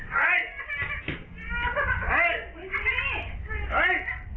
เฮ้ยชุดรถ